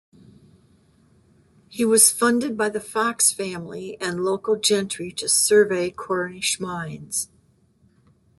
He was funded by the Fox family and local gentry to survey Cornish mines.